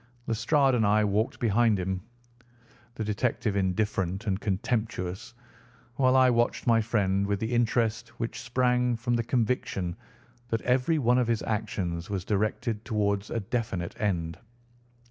Lestrade and I walked behind him, the detective indifferent and contemptuous, while I watched my friend with the interest which sprang from the conviction that every one of his actions was directed towards a definite end.